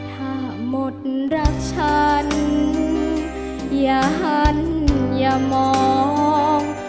ถ้าหมดรักฉันอย่าหันอย่ามอง